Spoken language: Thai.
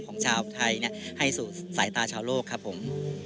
ของชาวไทยให้สู่สายตาชาวโลกครับผม